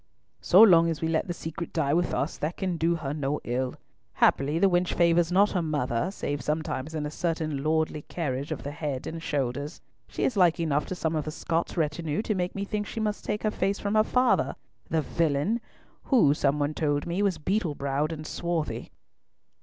"So long as we let the secret die with us that can do her no ill. Happily the wench favours not her mother, save sometimes in a certain lordly carriage of the head and shoulders. She is like enough to some of the Scots retinue to make me think she must take her face from her father, the villain, who, someone told me, was beetle browed and swarthy."